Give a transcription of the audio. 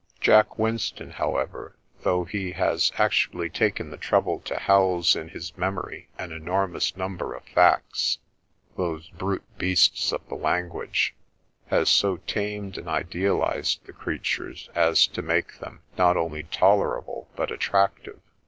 Jack Winston, however, though he has actually taken the trouble to house in his memory an enormous number of facts, —" those brute beasts of the language," — ^has so tamed and idealised the creatures as to make them not only tolerable but at tractive.